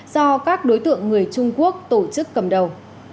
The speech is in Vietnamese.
do các đối tượng người trung quốc tổ chức cầm đầu